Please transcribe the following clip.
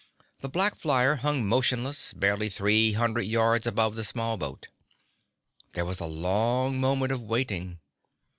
The black flyer hung motionless, barely three hundred yards above the small boat. There was a long moment of waiting.